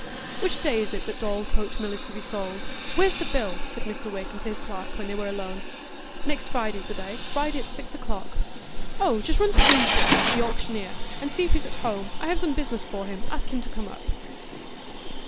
"Which day is it that Dorlcote Mill is to be sold? Where's the bill?" said Mr Wakem to his clerk when they were alone. "Next Friday is the day,—Friday at six o'clock." "Oh, just run to Winship's the auctioneer, and see if he's at home. I have some business for him; ask him to come up."